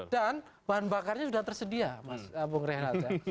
dan bahan bakarnya sudah tersedia mas bung rehlat ya